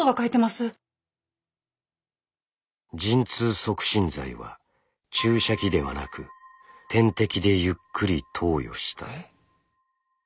「陣痛促進剤は注射器ではなく点滴でゆっくり投与した。